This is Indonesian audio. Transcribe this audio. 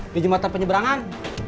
di jembatan penyeberangan